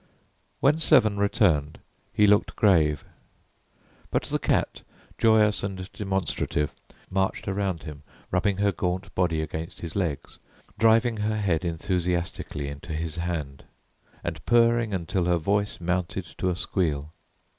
When Severn returned he looked grave, but the cat, joyous and demonstrative, marched around him, rubbing her gaunt body against his legs, driving her head enthusiastically into his hand, and purring until her voice mounted to a squeal.